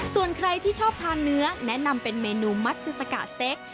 ส่วนใครที่ชอบทานเนื้อแนะนำเป็นเมนูมัสซิสกะสเต็ก